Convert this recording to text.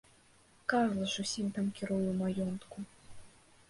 Карла ж усім там кіруе ў маёнтку.